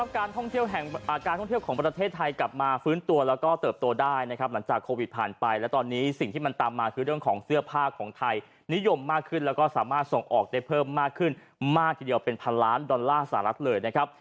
การท่องเที่ยวแห่งการท่องเที่ยวของประเทศไทยกลับมาฟื้นตัวแล้วก็เติบโตได้นะครับหลังจากโควิดผ่านไปแล้วตอนนี้สิ่งที่มันตามมาคือเรื่องของเสื้อผ้าของไทยนิยมมากขึ้นแล้วก็สามารถส่งออกได้เพิ่มมากขึ้นมากทีเดียวเป็นพันล้านดอลลาร์สหรัฐเลยนะครับ